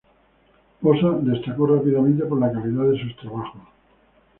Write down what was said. Posa destacó rápidamente por la calidad de sus trabajos.